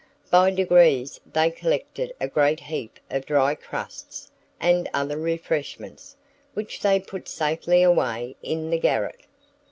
By degrees they collected a great heap of dry crusts, and other refreshments, which they put safely away in the garret.